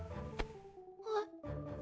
あっ。